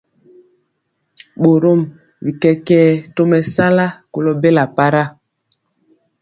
Borom bi kɛkɛɛ tomesala kolo bela para.